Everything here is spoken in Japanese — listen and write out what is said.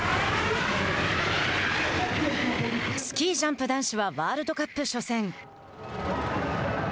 スキージャンプ男子はワールドカップ初戦。